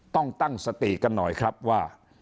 ต้องตั้งสติกันหน่อยครับว่า